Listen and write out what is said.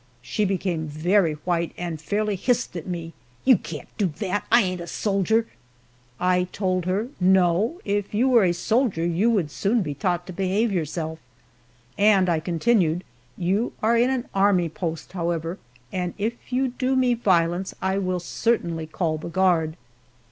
She became very white, and fairly hissed at me, "You can't do that I ain't a soldier." I told her, "No, if you were a soldier you would soon be taught to behave yourself," and I continued, "you are in an army post, however, and if you do me violence I will certainly call the guard."